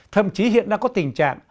thậm chí hiện đang có tình trạng